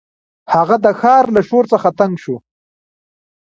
هغه د ښار له شور څخه تنګ شو.